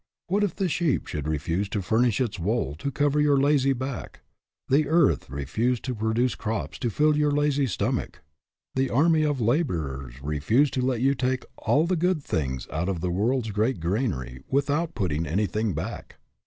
What if the sheep should refuse to furnish its wool to cover your lazy back, the earth refuse to pro duce the crops to fill your lazy stomach, the army of laborers refuse to let you take all the good things out of the world's great granary without putting anything back?